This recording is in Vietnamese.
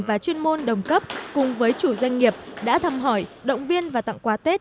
và chuyên môn đồng cấp cùng với chủ doanh nghiệp đã thăm hỏi động viên và tặng quà tết